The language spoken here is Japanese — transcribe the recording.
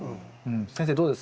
先生どうですか？